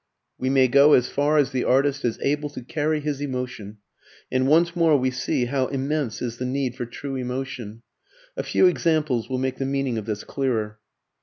We may go as far as the artist is able to carry his emotion, and once more we see how immense is the need for true emotion. A few examples will make the meaning of this clearer.